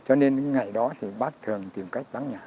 cho nên những ngày đó thì bác thường tìm cách vắng nhà